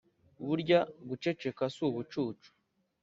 burya guceceka si ubucucu